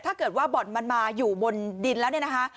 ถ้าเกิดว่าบ่อนมันมาอยู่บนดินแล้วเนี่ยนะคะ